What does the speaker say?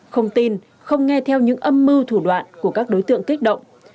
không tin không nghe theo những âm mưu thủ đoạn của các đối tượng kích động